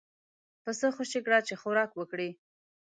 پسه خوشی کړه چې خوراک وکړي.